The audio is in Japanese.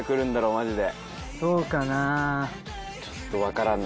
マジで？